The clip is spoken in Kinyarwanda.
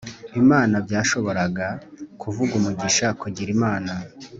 Imana byashoboraga kuvuga umugisha kugira Imana